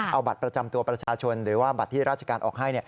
เอาบัตรประจำตัวประชาชนหรือว่าบัตรที่ราชการออกให้